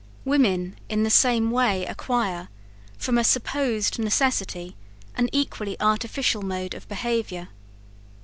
Women in the same way acquire, from a supposed necessity, an equally artificial mode of behaviour.